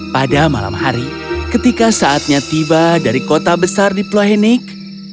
pada malam hari ketika saatnya tiba dari kota besar di plahenic